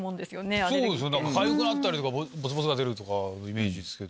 かゆくなったりボツボツが出るイメージですけど。